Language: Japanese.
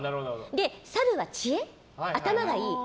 サルは知恵、頭がいい。